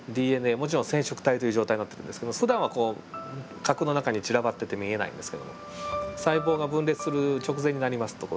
もちろん染色体という状態になってるんですけどふだんは核の中に散らばってて見えないんですけども細胞が分裂する直前になりますとぎゅっと縮まってきましてね